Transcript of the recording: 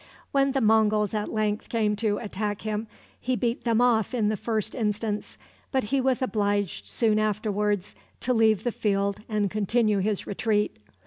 When the Monguls at length came to attack him, he beat them off in the first instance, but he was obliged soon afterward to leave the field and continue his retreat.